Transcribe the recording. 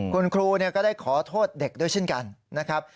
คุณครูก็ได้ขอโทษเด็กด้วยเช่นกันนะครับ